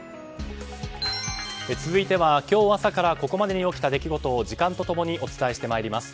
続いては今日、朝からここまでに起きた出来事を時間と共にお伝えしてまいります。